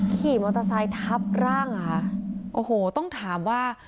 ขี่มอเตอร์ไซค์ทับร่างอ่ะค่ะโอ้โหต้องถามว่า